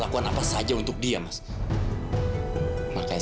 saya akan memperalatnya mas satria